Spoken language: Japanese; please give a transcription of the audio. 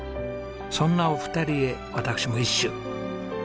そんなお二人へ私も一首。